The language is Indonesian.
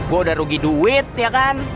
gue udah rugi duit ya kan